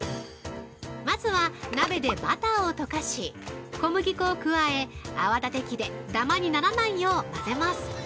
◆まずは鍋でバターを溶かし、小麦粉を加え、泡立て器でダマにならないよう混ぜます。